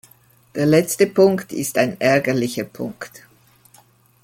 Der letzte Punkt ist ein ärgerlicher Punkt.